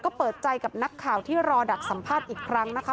ก็เปิดใจกับนักข่าวที่รอดักสัมภาษณ์อีกครั้งนะคะ